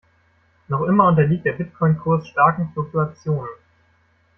Noch immer unterliegt der Bitcoin-Kurs starken Fluktuationen.